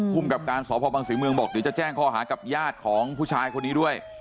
กับการสพบังศรีเมืองบอกเดี๋ยวจะแจ้งข้อหากับญาติของผู้ชายคนนี้ด้วย